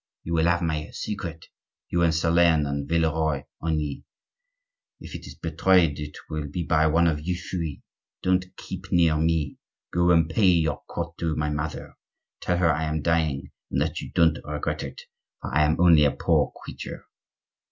You will have my secret, you and Solern and Villeroy only. If it is betrayed, it will be by one of you three. Don't keep near me; go and pay your court to my mother. Tell her I am dying, and that you don't regret it, for I am only a poor creature."